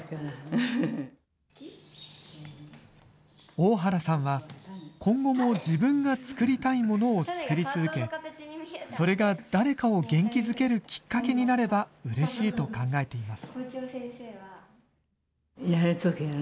大原さんは、今後も自分が作りたいものを作り続け、それが誰かを元気づけるきっかけになればうれしいと考えています。